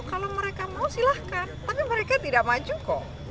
kalau mereka mau silahkan tapi mereka tidak maju kok